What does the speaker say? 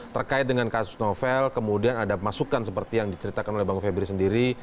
terkait dengan kasus novel kemudian ada masukan seperti yang diceritakan oleh bang febri sendiri